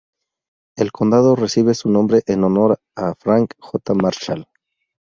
El condado recibe su nombre en honor a Frank J. Marshall.